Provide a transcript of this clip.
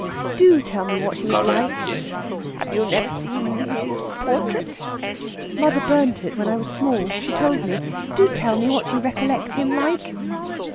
"Do tell me what he was like." "Have you never seen his portrait?" "Mother burnt it while I was small. She told me. Do tell me what you recollect him like."